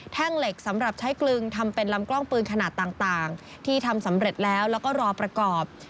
เหล็กสำหรับใช้กลึงทำเป็นลำกล้องปืนขนาดต่างที่ทำสำเร็จแล้วแล้วก็รอประกอบ